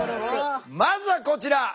まずはこちら！